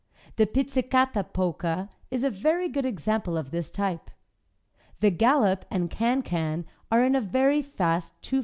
The "Pizzicato Polka" is a very good example of this type. The Gallop and Can Can are in a very fast 2 4 tempo.